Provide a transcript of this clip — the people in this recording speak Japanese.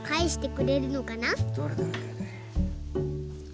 どれどれどれどれ。